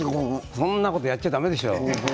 そんなことやっちゃだめでしょう。